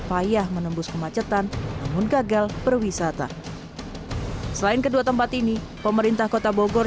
payah menembus kemacetan namun gagal perwisata selain kedua tempat ini pemerintah kota bogor